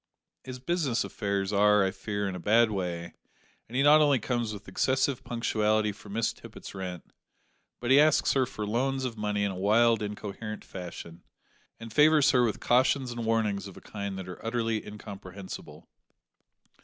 His business affairs are, I fear, in a bad way, and he not only comes with excessive punctuality for Miss Tippet's rent, but he asks her for loans of money in a wild incoherent fashion, and favours her with cautions and warnings of a kind that are utterly incomprehensible.